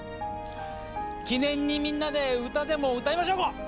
記念にみんなで歌でも歌いましょうか！